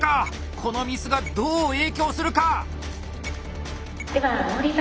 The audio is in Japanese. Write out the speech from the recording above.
このミスがどう影響するか？